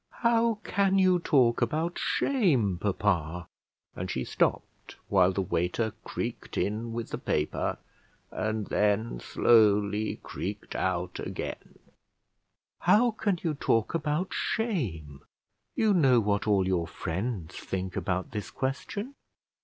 "How can you talk about shame, papa?" and she stopped while the waiter creaked in with the paper, and then slowly creaked out again; "how can you talk about shame? you know what all your friends think about this question."